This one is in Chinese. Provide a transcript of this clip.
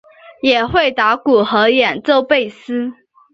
也会打鼓和演奏贝斯。